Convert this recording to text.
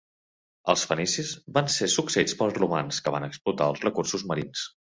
Els fenicis van ser succeïts pels romans, que van explotar els recursos marins.